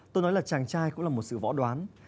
tôi nói là chàng trai cũng là một sự võ đoán